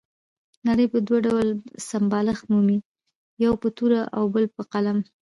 نړۍ په دوه ډول سمبالښت مومي، یو په توره او بل په قلم.